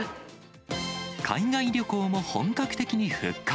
海外旅行も本格的に復活。